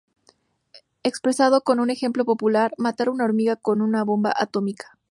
Expresado con un ejemplo popular: "matar una hormiga con una bomba atómica".